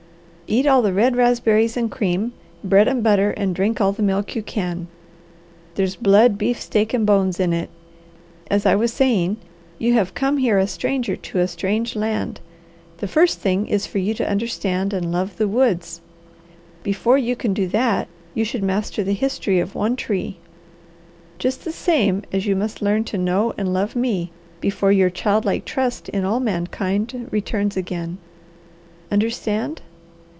"Eat all the red raspberries and cream, bread and butter, and drink all the milk you can. There's blood, beefsteak, and bones in it. As I was saying, you have come here a stranger to a strange land. The first thing is for you to understand and love the woods. Before you can do that you should master the history of one tree; just the same as you must learn to know and love me before your childlike trust in all mankind returns again. Understand?